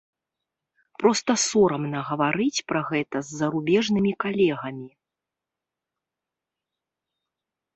Проста сорамна гаварыць пра гэта з зарубежнымі калегамі.